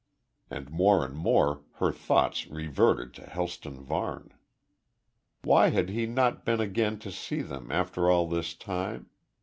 And more and more her thoughts reverted to Helston Varne. Why had he not been again to see them after all this time?